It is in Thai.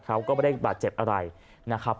เขาก็ไม่ได้บาดเจ็บอะไรนะครับ